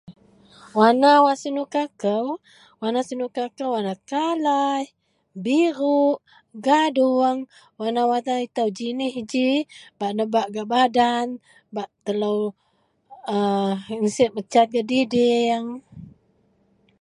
Warna wak senuka kou warna senuka kou kalaih biruo gadung warna-warna ito jinih ji bal nebak gak badan bak telo ...aa.. mecat gak diding.